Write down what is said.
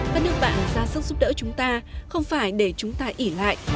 các nước bạn ra sức giúp đỡ chúng ta không phải để chúng ta ỉ lại